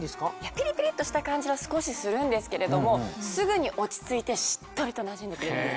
ピリピリっとした感じは少しするんですけれどもすぐに落ち着いてしっとりとなじんでくれるんです。